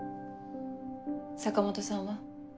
坂本さんは？